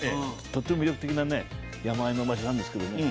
とっても魅力的なね山あいの場所なんですけどね